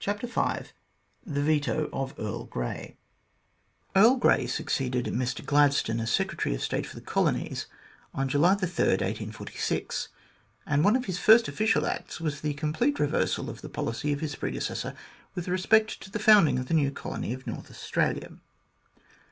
CHAPTER V THE VETO OF EARL GREY EARL GREY succeeded Mr Gladstone as Secretary of State for the Colonies on July 3, 1846, and one of his first official acts was the complete reversal of the policy of his pre decessor with respect to the founding of the new colony of North Australia.